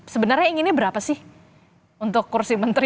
sebenarnya inginnya berapa sih untuk kursi menteri